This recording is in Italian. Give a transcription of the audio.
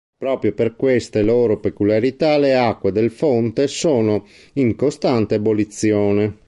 Proprio per queste loro peculiarità le acque del fonte sono in costante ebollizione.